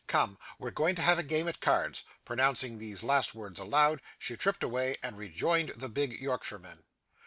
Come; we're going to have a game at cards.' Pronouncing these last words aloud, she tripped away and rejoined the big Yorkshireman.